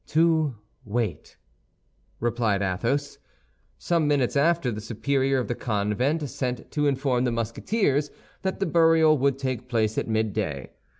"To wait," replied Athos. Some minutes after, the superior of the convent sent to inform the Musketeers that the burial would take place at midday.